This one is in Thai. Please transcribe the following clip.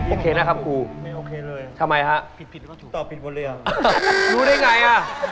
โอเคนะครับครูไม่โอเคเลยทำไมฮะผิดก็ถูกตอบผิดกว่าเลยอ่ะรู้ได้ไงอ่ะ